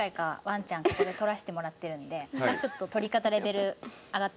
ワンちゃん撮らせてもらってるんでちょっと撮り方レベル上がってます。